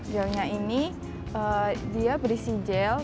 gelnya ini dia berisi gel